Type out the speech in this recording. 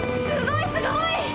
すごいすごい！